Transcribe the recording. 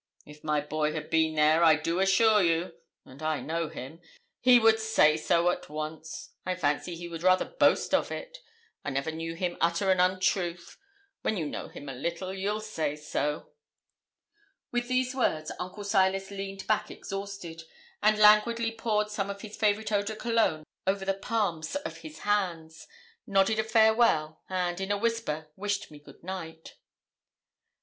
'If my boy had been there, I do assure you and I know him he would say so at once. I fancy he would rather boast of it. I never knew him utter an untruth. When you know him a little you'll say so.' With these words Uncle Silas leaned back exhausted, and languidly poured some of his favourite eau de cologne over the palms of his hands, nodded a farewell, and, in a whisper, wished me good night.